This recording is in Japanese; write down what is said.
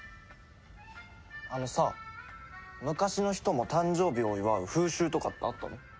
あのさ昔の人も誕生日を祝う風習とかってあったの？